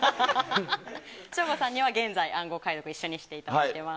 省吾さんには現在、暗号解読を一緒にしていただいています。